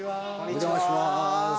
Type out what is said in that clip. お邪魔します。